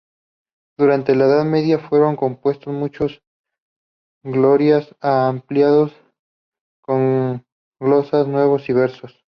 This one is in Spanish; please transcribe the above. Durante la Edad Media fueron compuestos muchos Glorias ampliados con glosas y nuevos versos.